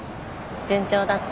順調だって。